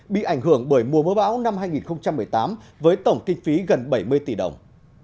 bị ảnh hưởng bởi mùa mưa bão năm hai nghìn một mươi tám với tổng kinh phí gần bảy mươi tỷ đồng